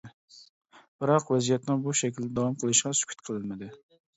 بىراق ۋەزىيەتنىڭ بۇ شەكلىدە داۋام قىلىشىغا سۈكۈت قىلىنمىدى.